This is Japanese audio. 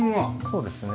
そうですね。